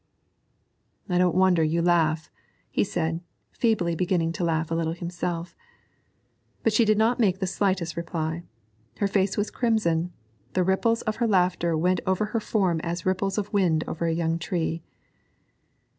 'I don't wonder you laugh,' he said, feebly beginning to laugh himself a little. But she did not make the slightest reply. Her face was crimson; the ripples of her laughter went over her form as ripples of wind over a young tree.